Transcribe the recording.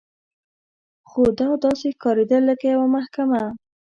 خو دا داسې ښکارېدل لکه یوه محکمه.